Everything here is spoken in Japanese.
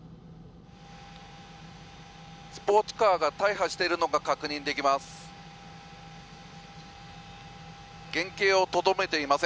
スポーツカーが大破しているのが確認できます。